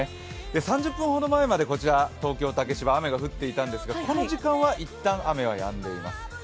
３０分ほど前まで東京・竹芝は雨が降っていたんですがこの時間は一旦、雨はやんでいます